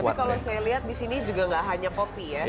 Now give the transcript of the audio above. saya lihat di sini juga tidak hanya kopi